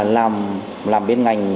làm bên ngành